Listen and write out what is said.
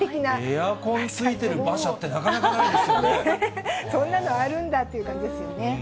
エアコンついてる馬車って、そんなのあるんだっていう感じですよね。